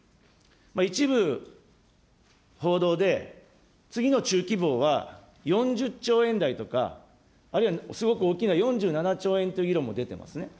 一部、報道で次の中期防は４０兆円台とか、あるいはすごく大きな４７兆円という議論も出てますね。